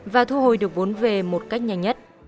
và thu hồi được vốn về một cách nhanh nhất